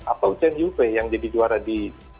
atau chen yufei yang jadi juara di dua ribu enam belas